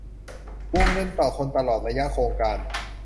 วงเงินต่อคนตลอดระยะโครงการ